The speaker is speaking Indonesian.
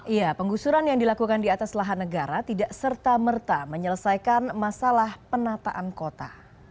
iya penggusuran yang dilakukan di atas lahan negara tidak serta merta menyelesaikan masalah penataan kota